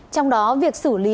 trong đó việc xử lý